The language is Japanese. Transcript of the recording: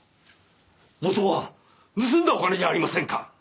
元は盗んだお金じゃありませんか。